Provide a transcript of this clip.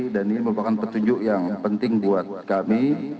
dan ini merupakan petunjuk yang penting buat kami